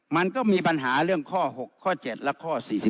มันก็มีปัญหาเรื่องข้อ๖ข้อ๗และข้อ๔๔